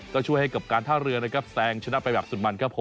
ก็ช่วยให้กับการท่าเรือนะครับแซงชนะไปแบบสุดมันครับผม